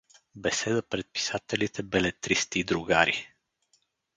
Беседа пред писателите-белетристи Другари!